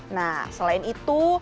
nah selain itu